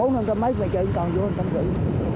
bốn năm trăm mấy mà trời vẫn còn vô hơn trăm rưỡi